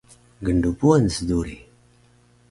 gnrbuwan su duri!